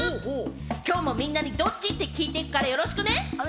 今日もみんなにドッチ？って聞いて行くからよろしくね！